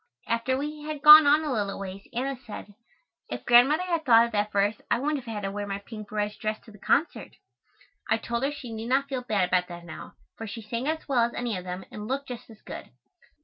After we had gone on a little ways, Anna said: "If Grandmother had thought of that verse I wouldn't have had to wear my pink barège dress to the concert." I told her she need not feel bad about that now, for she sang as well as any of them and looked just as good.